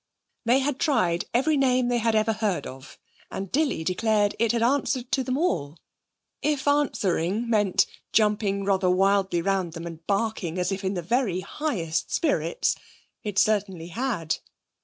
They had tried every name they had ever heard of, and Dilly declared it had answered to them all, if answering meant jumping rather wildly round them and barking as if in the very highest spirits, it certainly had.